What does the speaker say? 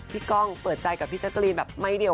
พี่ก้องเปิดใจกับพี่เจอกลีนแบบไม้เดี่ยว